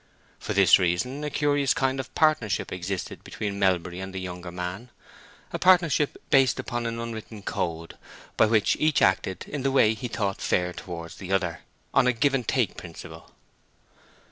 For this reason a curious kind of partnership existed between Melbury and the younger man—a partnership based upon an unwritten code, by which each acted in the way he thought fair towards the other, on a give and take principle.